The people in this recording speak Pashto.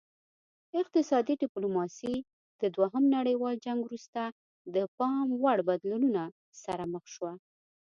اقتصادي ډیپلوماسي د دوهم نړیوال جنګ وروسته د پام وړ بدلونونو سره مخ شوه